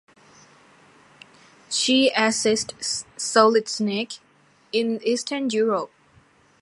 She assists Solid Snake in Eastern Europe.